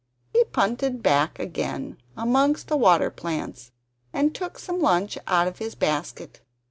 He punted back again amongst the water plants, and took some lunch out of his basket.